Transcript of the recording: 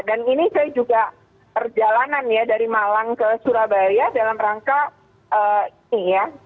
dan ini saya juga perjalanan ya dari malang ke surabaya dalam rangka ini ya